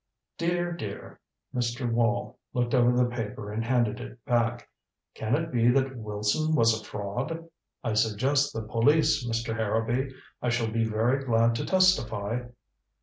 "Dear, dear." Mr. Wall looked over the paper and handed it back. "Can it be that Wilson was a fraud? I suggest the police, Mr. Harrowby. I shall be very glad to testify."